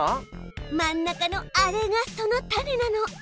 真ん中のあれがその種なの。